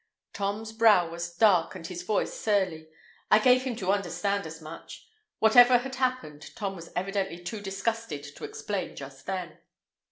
Tom's brow was dark and his voice surly. "I gave him to understand as much." Whatever had happened, Tom was evidently too disgusted to explain just then.